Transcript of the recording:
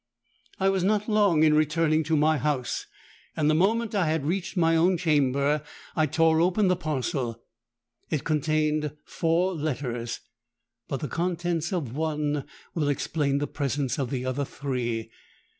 "I was not long in returning to my house, and the moment I had reached my own chamber, I tore open the parcel. It contained four letters: but the contents of one will explain the presence of the other three.